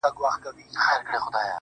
سم پسرلى ترې جوړ سي.